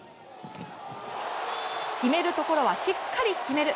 決めるところはしっかり決める。